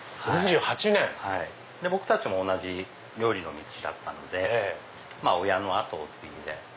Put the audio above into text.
僕たちも同じ料理の道だったんで親の跡を継いで。